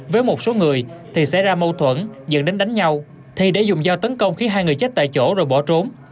với một số người thì xảy ra mâu thuẫn dẫn đến đánh nhau thì để dùng dao tấn công khi hai người chết tại chỗ rồi bỏ trốn